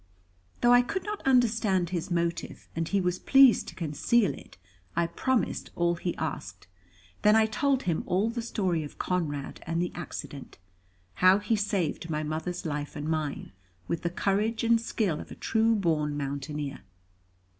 Though I could not understand his motive, and he was pleased to conceal it, I promised all he asked. Then I told him all the story of Conrad and the accident, how he saved my mother's life and mine, with the courage and skill of a true born mountaineer.